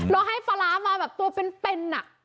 เราให้ปลาร้ามาแบบตัวเป็นเป็นอะ